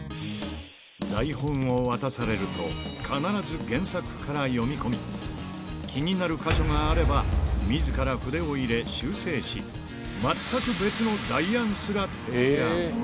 台本を渡されると、必ず原作から読み込み、気になる箇所があれば、みずから筆を入れ、修正し、全く別の代案すら提案。